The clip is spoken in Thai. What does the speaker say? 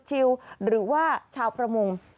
ชิลหรือว่าชาวประมง